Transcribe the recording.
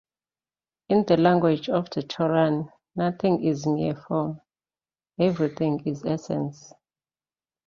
In the language of the Torah nothing is mere form; everything is essence.